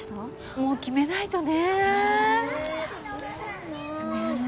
もう決めないとね。